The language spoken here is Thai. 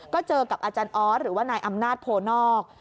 ก็เจอกับอาจารย์ออสหรือว่านายอำนาจโพนอก